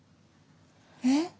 えっ？